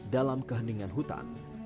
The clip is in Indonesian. dalam keheningan hutan